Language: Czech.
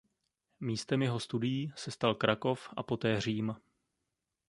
Místem jeho studií se stal Krakov a poté Řím.